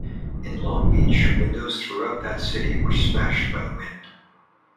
In Long Beach windows throughout that city were smashed by the wind.